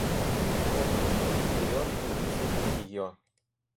Он вышел вперед и высадил ее.